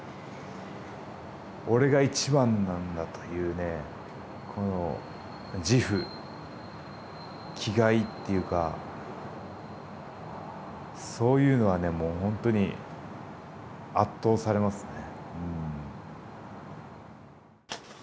俺が１番なんだというねこの自負気概っていうかそういうのはねもうほんとに圧倒されますね。